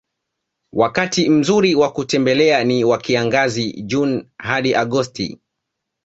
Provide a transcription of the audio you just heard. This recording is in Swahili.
Wakati mzuri wa kutembelea ni wa Kiangazi June hadi Agosti